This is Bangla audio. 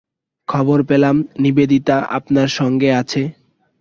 খবর পেলাম, নিবেদিতা আপনার সঙ্গে আছে।